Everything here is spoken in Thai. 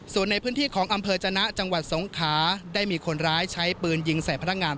ส่วนในพื้นที่ของอำเภอจนะจังหวัดสงขาได้มีคนร้ายใช้ปืนยิงใส่พนักงาน